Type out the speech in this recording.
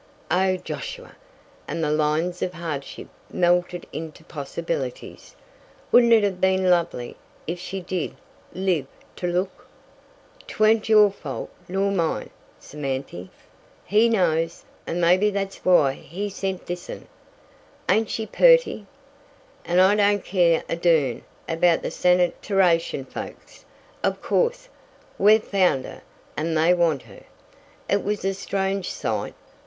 Oh, Josiah," and the lines of hardship melted into possibilities, "wouldn't it have been lovely if she did live to look!" "'Tweren't your fault nor mine, Samanthy. He knows, and mebby thet's why He sent this 'un. Ain't she purty? And I don't care a durn about the sanitarition folks. Of course if we've found her and they want her " It was a strange sight.